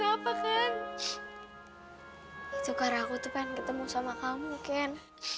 itu karena aku tuh pengen ketemu sama kamu kan